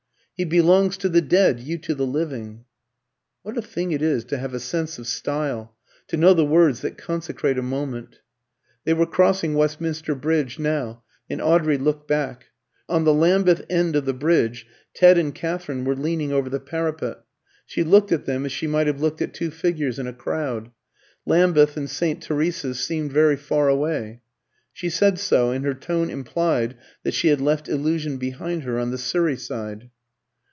"He belongs to the dead you to the living." What a thing it is to have a sense of style, to know the words that consecrate a moment! They were crossing Westminster Bridge now, and Audrey looked back. On the Lambeth end of the bridge Ted and Katherine were leaning over the parapet; she looked at them as she might have looked at two figures in a crowd. Lambeth and St. Teresa's seemed very far away. She said so, and her tone implied that she had left illusion behind her on the Surrey side.